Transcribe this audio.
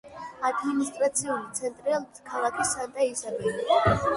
ადმინისტრაციული ცენტრია ქალაქი სანტა-ისაბელი.